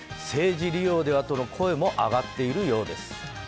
政治利用ではとの声も上がっているようです。